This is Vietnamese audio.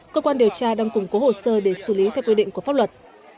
cơ quan điều tra đang củng cố hồ sơ để xử lý theo quy định của pháp luật